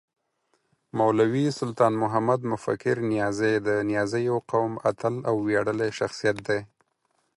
مولوي سلطان محمد مفکر نیازی د نیازيو قوم اتل او وياړلی شخصیت دی